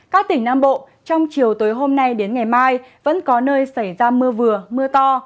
các tỉnh nam bộ trong chiều tối hôm nay đến ngày mai vẫn có nơi xảy ra mưa vừa mưa to